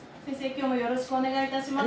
きょうもよろしくおねがいいたします。